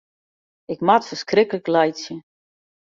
Ik moat ferskriklik laitsje.